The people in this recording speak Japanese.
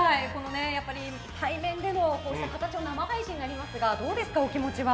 対面という形での生配信になりますがどうですか、お気持ちは。